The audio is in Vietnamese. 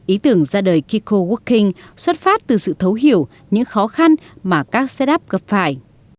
ý tưởng ra đời kiko working xuất phát từ sự thấu hiểu những khó khăn mà các set up gặp phải